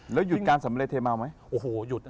แล้วหยุดการสำเร็จเทมาไหม